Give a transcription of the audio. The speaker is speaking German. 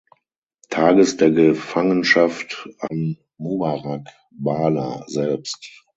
Tages der Gefangenschaft an Mubarak Bala selbst.